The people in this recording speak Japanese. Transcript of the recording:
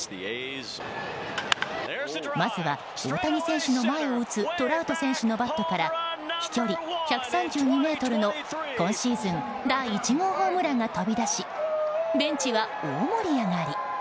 まずは、大谷選手の前を打つトラウト選手のバットから飛距離１３２ｍの今シーズン第１号ホームランが飛び出しベンチは大盛り上がり。